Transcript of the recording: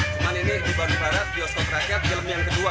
cuma ini di bandung barat bioskop rakyat film yang kedua